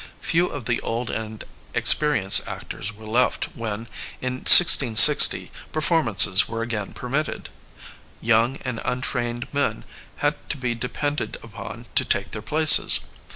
Few of the old and experienced actors were left when, in 1660, performances were again permitted. Young and untrained men had to be depended upon to take their places.